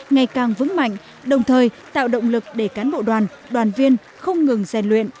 ngày càng vững mạnh đồng thời tạo động lực để cán bộ đoàn đoàn viên không ngừng rèn luyện